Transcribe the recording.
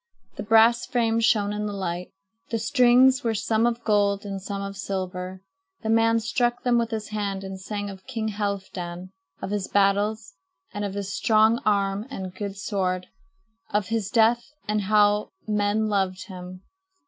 The brass frame shone in the light. The strings were some of gold and some of silver. The man struck them with his hand and sang of King Halfdan, of his battles, of his strong arm and good sword, of his death, and of how men loved him.